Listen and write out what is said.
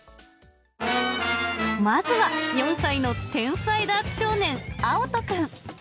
まずは４歳の天才ダーツ少年、あおとくん。